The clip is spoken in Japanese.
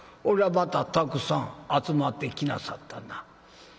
こらまたたくさん集まってきなさったな。